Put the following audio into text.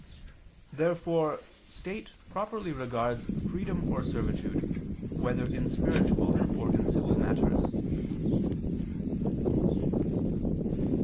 Therefore state properly regards freedom or servitude whether in spiritual or in civil matters.